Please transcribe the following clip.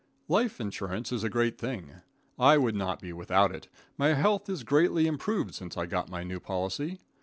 Life insurance is a great thing. I would not be without it. My health is greatly improved since I got my new policy.